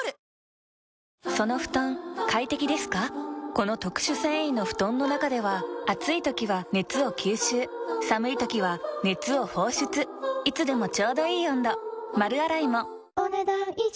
この特殊繊維の布団の中では暑い時は熱を吸収寒い時は熱を放出いつでもちょうどいい温度丸洗いもお、ねだん以上。